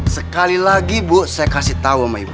sekali lagi bu saya kasih tahu sama ibu